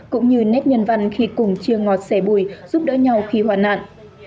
cũng như nét nhân văn khi cùng chia ngọt sẻ bùi giúp đỡ nhau khi hoàn nạn